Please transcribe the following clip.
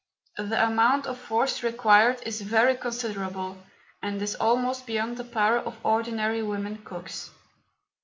The amount of force required is very considerable and is almost beyond the power of ordinary women cooks.